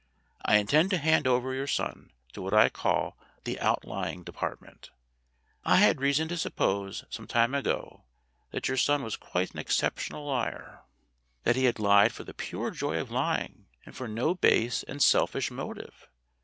"I intend to hand over your son to what I call the Outlying Department. I had reason to suppose, some time ago, that your son was quite an exceptional liar that he lied for the pure joy of lying and from no base and selfish motive.